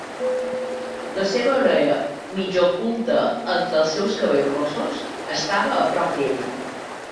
La seva orella, mig oculta entre els seus cabells rossos, estava a prop d'ell.